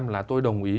năm mươi là tôi đồng ý